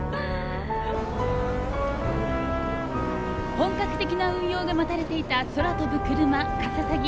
本格的な運用が待たれていた空飛ぶクルマかささぎ。